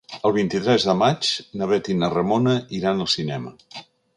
El vint-i-tres de maig na Bet i na Ramona iran al cinema.